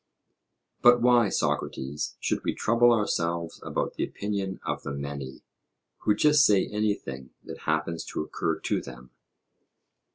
But why, Socrates, should we trouble ourselves about the opinion of the many, who just say anything that happens to occur to them?